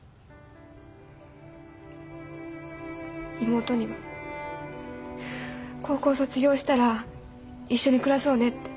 妹には高校卒業したら一緒に暮らそうねって。